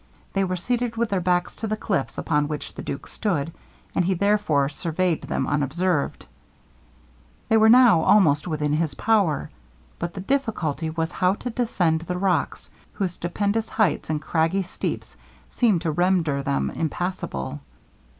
They were seated with their backs to the cliffs upon which the duke stood, and he therefore surveyed them unobserved. They were now almost within his power, but the difficulty was how to descend the rocks, whose stupendous heights and craggy steeps seemed to render them impassable.